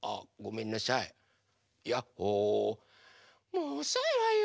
もうおそいわよ！